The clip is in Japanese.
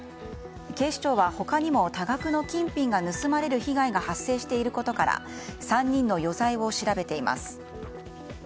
警視庁は他にも多額の金品が盗まれる被害が発生していることから３人の余罪を調べています。